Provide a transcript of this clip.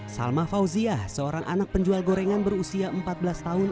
salma fauziah seorang anak penjual gorengan berusia empat belas tahun